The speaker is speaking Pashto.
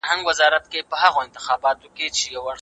بهرنۍ پالیسي د هیواد لپاره سیاسي فرصتونه برابروي.